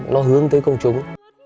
nó hướng tới công chúng